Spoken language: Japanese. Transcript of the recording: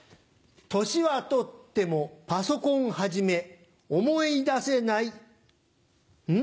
年はとってもパソコン始め思い出せないん？